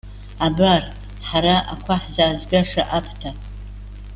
Абар, ҳара ақәа ҳзаазгаша аԥҭа!